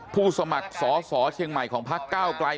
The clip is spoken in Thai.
ผู้สมัครสอสอเชียงใหม่ของพักก้าวไกล